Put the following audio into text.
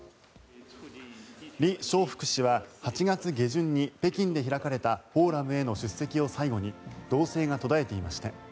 リ・ショウフク氏は８月下旬に北京で開かれたフォーラムへの出席を最後に動静が途絶えていました。